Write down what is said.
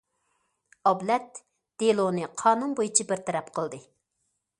ئابلەت دېلونى قانۇن بويىچە بىر تەرەپ قىلدى.